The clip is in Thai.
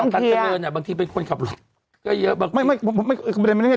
างเกลียทบางทีเป็นคนขับรถก็เยอะบางทีไม่ไม่ประเภน